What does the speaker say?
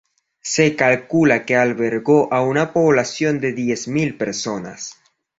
Se calcula que albergó a una población de diez mil personas.